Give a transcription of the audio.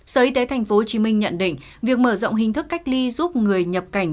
sở y tế tp hcm nhận định việc mở rộng hình thức cách ly giúp người nhập cảnh